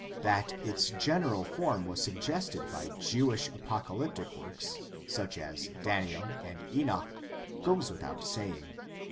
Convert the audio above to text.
That its general form was suggested by Jewish apocalyptic works such as Daniel and Enoch goes without saying.